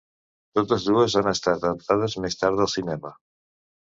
Totes dues han estat adaptades més tard al cinema.